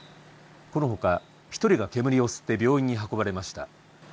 このほか１人が煙を吸って病院に運ばれました。